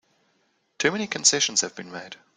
Too many concessions have been made!